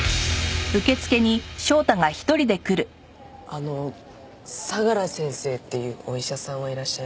あの相良先生っていうお医者さんはいらっしゃいますか？